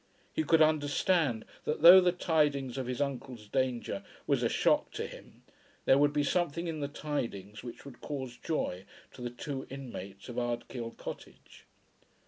He could understand that though the tidings of his uncle's danger was a shock to him there would be something in the tidings which would cause joy to the two inmates of Ardkill Cottage.